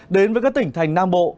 đến với các tỉnh thành nam bộ